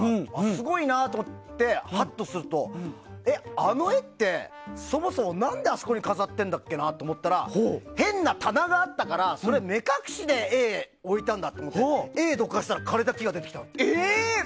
すごいなと思ってハッとするとあの絵って、そもそも何であそこに飾ってるんだっけなって思ったら変な棚があったから目隠しで絵を置いたんだと思って絵をどかしたら枯れた木が出てきたの。